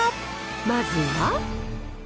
まずは。